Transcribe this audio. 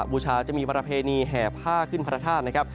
บูชาจะมีประเพณีแห่ผ้าขึ้นพระธาตุนะครับ